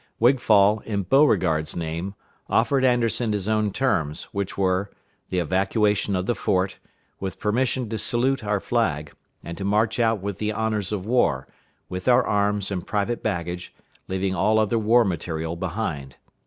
Wigfall, in Beauregard's name, offered Anderson his own terms, which were, the evacuation of the fort, with permission to salute our flag, and to march out with the honors of war, with our arms and private baggage, leaving all other war material behind.